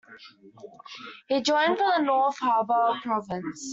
He joined from the North Harbour province.